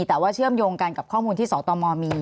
แต่ว่าเชื่อมโยงกันกับข้อมูลที่สตมมี